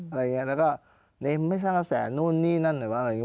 อะไรอย่างนี้แล้วก็นี่ไม่ช่างแสนนู่นนี่นั่นอะไรอย่างนี้